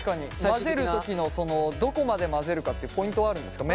混ぜる時のどこまで混ぜるかってポイントはあるんですか？